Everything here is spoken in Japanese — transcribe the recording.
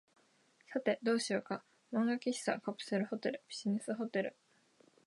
さて、どうしようか。漫画喫茶、カプセルホテル、ビジネスホテル、